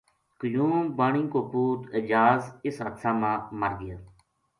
قیوم بانی کو پُوت اعجاز اس حاد ثہ ما مر گیا